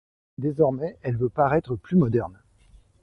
Désormais, elle veut paraître plus moderne.